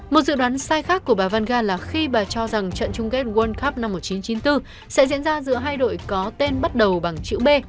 một dự đoán sai khác của bà vanga là khi bà cho rằng trận chung kết world cup năm một nghìn chín trăm chín mươi bốn sẽ diễn ra giữa hai đội có tên bắt đầu bằng chữ b